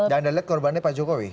dan anda lihat korbannya pak jokowi